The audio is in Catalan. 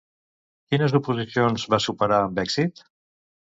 Quines oposicions va superar amb èxit?